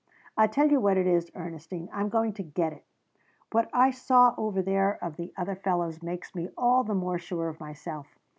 I tell you what it is, Ernestine, I'm going to get it! What I saw over there of the other fellows makes me all the more sure of myself.